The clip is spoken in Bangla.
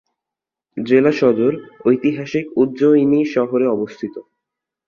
জেলা সদর ঐতিহাসিক উজ্জয়িনী শহরে অবস্থিত।